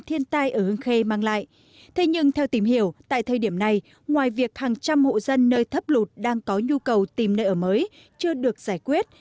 thế nhưng theo tìm hiểu tại thời điểm này ngoài việc hàng trăm hộ dân nơi thấp lụt đang có nhu cầu tìm nơi ở mới chưa được giải quyết